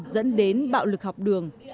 dẫn đến bạo lực học đường